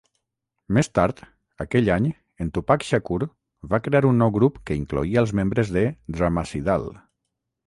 Més tard aquell any, en Tupac Shakur va crear un nou grup que incloïa els membres de Dramacydal.